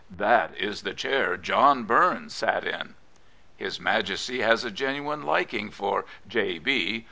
" That is the chair John Bums sat in." His Majesty has a genuine liking for " J. B.